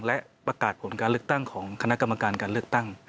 และประกาศผลการเลือกตั้งของคณะกรรมการการเลือกตั้ง